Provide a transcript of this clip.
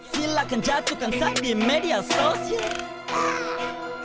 silahkan jatuhkan saya di media sosial